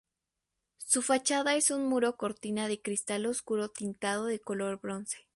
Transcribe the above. Su fachada es un muro cortina de cristal oscuro tintado de color bronce.